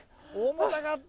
重たかった。